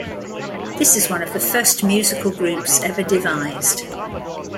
This is one of the first musical groups ever devised.